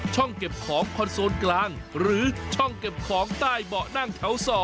เก็บของคอนโซนกลางหรือช่องเก็บของใต้เบาะนั่งแถว๒